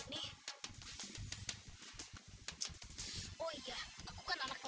s kakak insik ramak